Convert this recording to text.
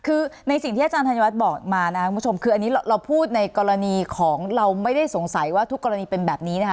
คือในสิ่งที่อาจารย์ธัญวัฒน์บอกมานะครับคุณผู้ชมคืออันนี้เราพูดในกรณีของเราไม่ได้สงสัยว่าทุกกรณีเป็นแบบนี้นะคะ